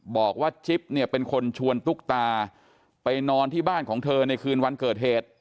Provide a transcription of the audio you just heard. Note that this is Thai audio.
บอกว่าจิ๊บเนี่ยเป็นคนชวนตุ๊กตาไปนอนที่บ้านของเธอในคืนวันเกิดเหตุ